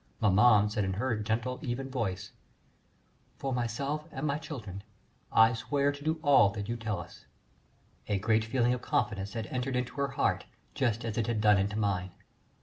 Maman said in her gentle, even voice: "For myself and my children, I swear to do all that you tell us." A great feeling of confidence had entered into her heart, just as it had done into mine.